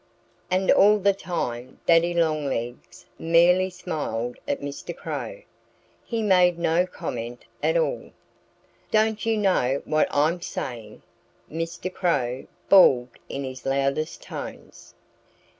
And all the time Daddy Longlegs merely smiled at Mr. Crow. He made no comment at all. "Don't you know what I'm saying?" Mr. Crow bawled in his loudest tones.